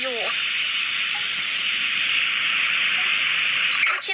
ยูคิดว่าไอ้ต้องการเหยียบยูเหรอ